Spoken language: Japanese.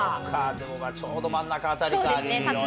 でもちょうど真ん中あたりか。